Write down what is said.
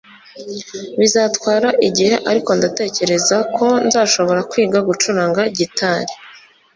Bizatwara igihe ariko ndatekereza ko nzashobora kwiga gucuranga gitari